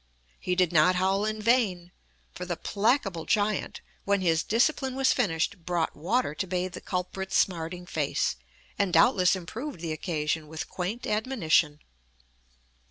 He did not howl in vain, for the placable giant, when his discipline was finished, brought water to bathe the culprit's smarting face, and doubtless improved the occasion with quaint admonition.